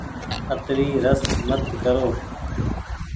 اتري رس مت ڪرو۔